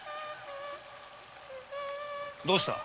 どうした？